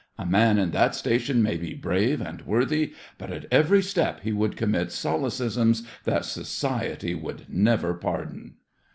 A man in that station may be brave and worthy, but at every step he would commit solecisms that society would never pardon.